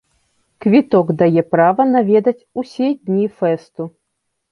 Квіток дае права наведаць усе дні фэсту.